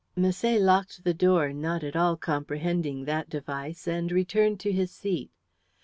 Misset locked the door, not at all comprehending that device, and returned to his seat.